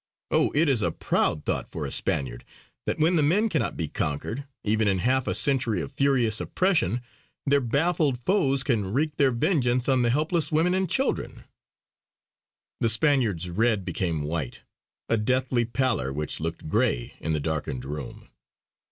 Oh! it is a proud thought for a Spaniard, that when the men cannot be conquered, even in half a century of furious oppression, their baffled foes can wreak their vengeance on the helpless women and children!" The Spaniard's red became white; a deathly pallor which looked grey in the darkened room.